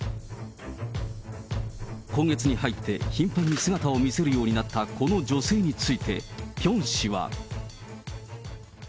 今月に入って頻繁に姿を見せるようになったこの女性について、ピョン氏は。